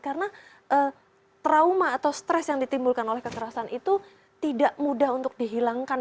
karena trauma atau stress yang ditimbulkan oleh kekerasan itu tidak mudah untuk dihilangkan